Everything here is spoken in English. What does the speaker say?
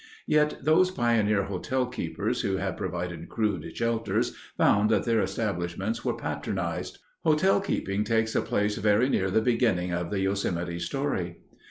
Yet those pioneer hotelkeepers who had provided crude shelters found that their establishments were patronized. Hotelkeeping takes a place very near the beginning of the Yosemite story.